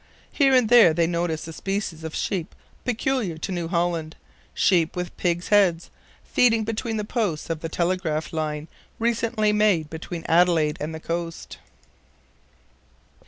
Here and there they noticed a species of sheep peculiar to New Holland sheep with pig's heads, feeding between the posts of the telegraph line recently made between Adelaide and the coast.